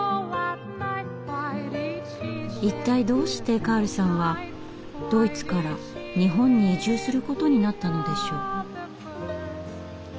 一体どうしてカールさんはドイツから日本に移住することになったのでしょう？